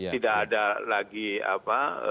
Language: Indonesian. tidak ada lagi apa